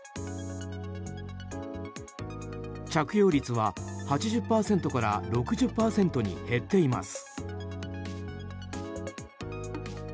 着用率は８０％から６０％に減っています。